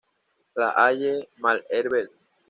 La Haye-Malherbe